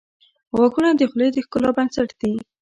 • غاښونه د خولې د ښکلا بنسټ دي.